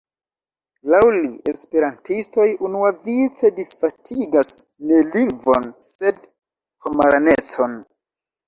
Laŭ li, esperantistoj unuavice disvastigas ne lingvon, sed homaranecon.